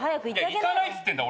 行かないっつってんだ。